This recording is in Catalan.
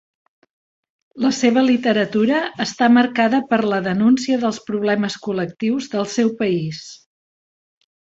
La seva literatura està marcada per la denúncia dels problemes col·lectius del seu país.